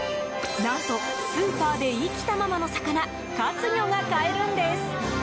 何と、スーパーで生きたままの魚活魚が買えるんです。